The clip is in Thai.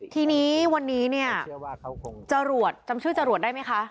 ทีนี้วันนี้เนี่ยจรวดจำชื่อจรวดได้ไหมคะ